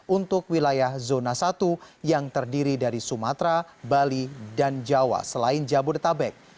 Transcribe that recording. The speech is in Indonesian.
untuk wilayah zona satu yang terdiri dari sumatera bali dan jawa selain jabodetabek